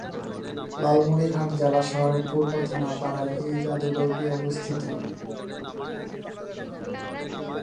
লালমনিরহাট জেলা শহরের পূর্ব থানাপাড়ায় এই জাদুঘরটি অবস্থিত।